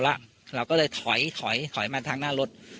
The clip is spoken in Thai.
แซ็คเอ้ยเป็นยังไงไม่รอดแน่